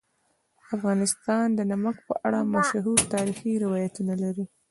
افغانستان د نمک په اړه مشهور تاریخی روایتونه لري.